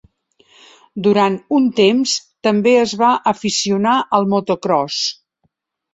Durant un temps, també es va aficionar al motocròs.